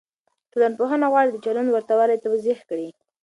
ټولنپوهنه غواړي د چلند ورته والی توضيح کړي.